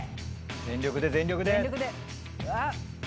「全力で全力で」